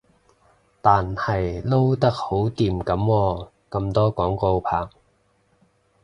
但係撈得好掂噉喎，咁多廣告拍